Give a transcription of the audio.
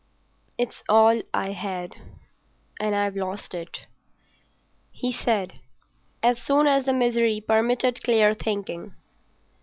"It's all I had and I've lost it," he said, as soon as the misery permitted clear thinking.